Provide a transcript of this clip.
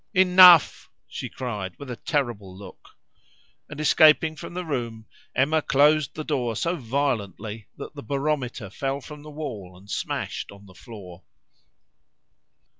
"Enough!" she cried with a terrible look. And escaping from the room, Emma closed the door so violently that the barometer fell from the wall and smashed on the floor.